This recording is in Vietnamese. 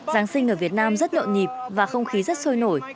giáng sinh ở việt nam rất nhộn nhịp và không khí rất sôi nổi